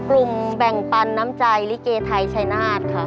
แบ่งปันน้ำใจลิเกไทยชายนาฏค่ะ